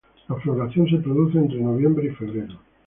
La floración se produce entre noviembre y febrero.